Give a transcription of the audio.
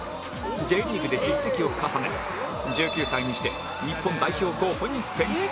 Ｊ リーグで実績を重ね１９歳にして日本代表候補に選出